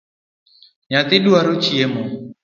Nyathi dwaro chiemo